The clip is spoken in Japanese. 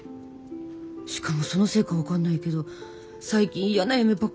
しかもそのせいか分かんないけど最近やな夢ばっかり見るのよ。